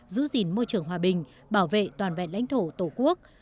giữ gìn môi trường hòa bình bảo vệ toàn vẹn lãnh thổ tổ quốc